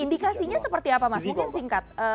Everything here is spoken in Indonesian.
indikasinya seperti apa mas mungkin singkat